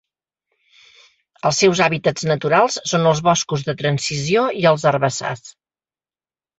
Els seus hàbitats naturals són els boscos de transició i els herbassars.